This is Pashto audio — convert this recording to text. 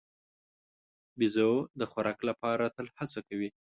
بیزو د خوراک لپاره تل هڅه کوي.